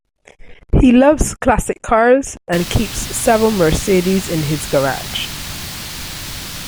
He loves classic cars, and keeps several Mercedes in his garage